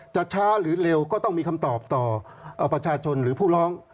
ช้าหรือเร็วก็ต้องมีคำตอบต่อประชาชนหรือผู้ร้อง